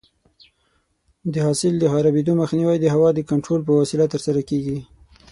د حاصل د خرابېدو مخنیوی د هوا د کنټرول په وسیله ترسره کېږي.